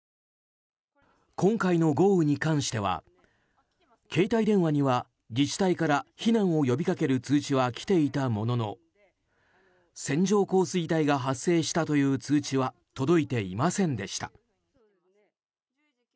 今回の豪雨に関しては携帯電話には自治体から避難を呼びかける通知は来ていたものの線状降水帯が発生したという通知は届いていませんでした。